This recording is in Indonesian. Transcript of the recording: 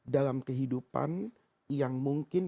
dalam kehidupan yang mungkin